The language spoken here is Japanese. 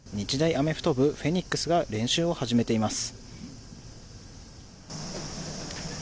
アメフト部フェニックスが練習を始めています。